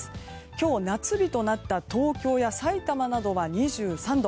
今日、夏日となった東京やさいたまなどは２３度。